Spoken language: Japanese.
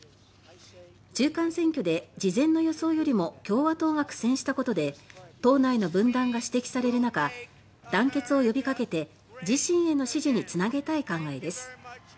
中間選挙で事前の予想よりも共和党が苦戦したことで党内の分断が指摘されるなか団結を呼びかけて自身への支持に繋げたい考えです。